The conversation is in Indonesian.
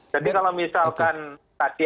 jadi kalau misalkan tadi